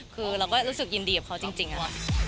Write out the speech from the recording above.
คือเราก็รู้สึกยินดีกับเขาจริงอะ